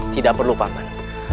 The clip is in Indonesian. tidak perlu paman